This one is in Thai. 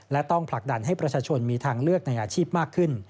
และต้องผลักดันให้ประชาชนมีทางเลือกในอาชีพมากขึ้น